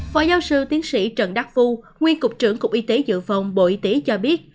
phó giáo sư tiến sĩ trần đắc phu nguyên cục trưởng cục y tế dự phòng bộ y tế cho biết